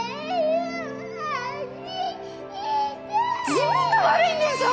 自分が悪いんでしょ！